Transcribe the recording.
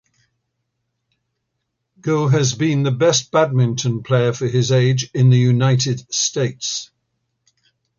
Go has been the best badminton player for his age in the United States.